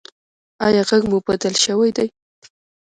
ایا غږ مو بدل شوی دی؟